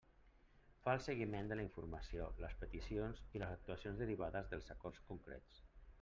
Fa el seguiment de la informació, les peticions i les actuacions derivades dels acords contrets.